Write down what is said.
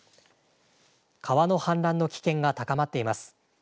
川の氾濫の危険が高まっています。